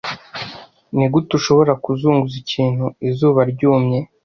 Nigute ushobora kuzunguza ikintu izuba ryumye